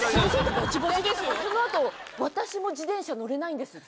そのあと、私も自転車乗れないんですって。